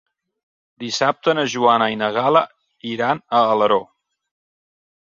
Dissabte na Joana i na Gal·la iran a Alaró.